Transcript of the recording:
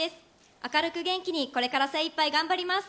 明るく元気にこれから精いっぱい頑張ります。